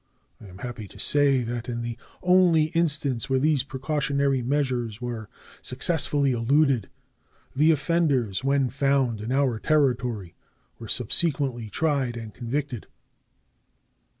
I am happy to say that in the only instance where these precautionary measures were successfully eluded the offenders, when found in our territory, were subsequently tried and convicted.